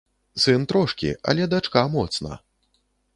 Сын трошкі, але дачка моцна.